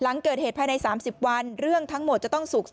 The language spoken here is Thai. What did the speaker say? หลังเกิดเหตุภายใน๓๐วันเรื่องทั้งหมดจะต้องสุข